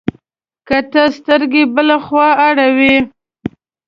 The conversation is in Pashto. که ته سترګه بله خوا اړوې،